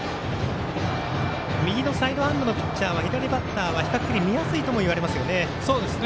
右のサイドハンドのピッチャーは左バッターは比較的見やすいともいわれますよね。